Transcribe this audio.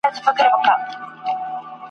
تر ابده چي پاییږي دا بې ساري بې مثال دی !.